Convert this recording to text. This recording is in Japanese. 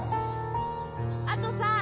あとさぁ！